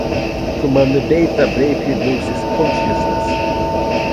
Commander Data briefly loses consciousness.